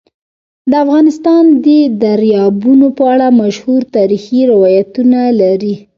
افغانستان د دریابونه په اړه مشهور تاریخی روایتونه لري.